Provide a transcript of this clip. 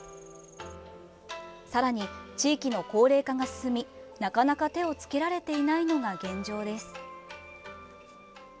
さらに、地域の高齢化が進みなかなか手を付けられていないのが現状です。